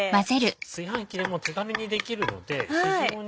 炊飯器でも手軽にできるので非常に。